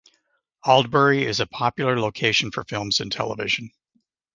Aldbury is a popular location for films and television.